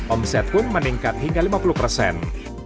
omset pun meningkat hingga lima puluh persen